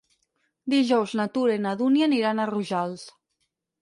Dijous na Tura i na Dúnia aniran a Rojals.